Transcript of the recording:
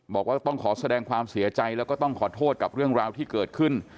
บอกว่าต้องขอแสดงความเสียใจแล้วก็ต้องขอโทษกับเรื่องราวที่เกิดขึ้น